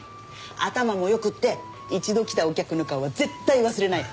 頭も良くて一度来たお客の顔は絶対忘れない。